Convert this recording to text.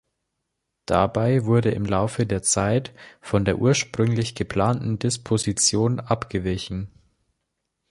Dabei wurde im Laufe der Zeit von der ursprünglich geplanten Disposition abgewichen.